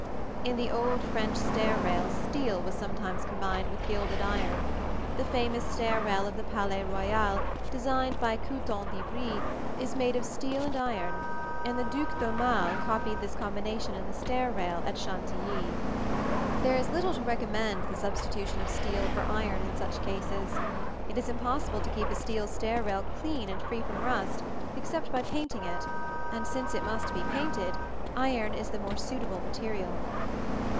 In the old French stair rails steel was sometimes combined with gilded iron. The famous stair rail of the Palais Royal, designed by Coutant d'Ivry, is made of steel and iron, and the Duc d'Aumale copied this combination in the stair rail at Chantilly. There is little to recommend the substitution of steel for iron in such cases. It is impossible to keep a steel stair rail clean and free from rust, except by painting it; and since it must be painted, iron is the more suitable material.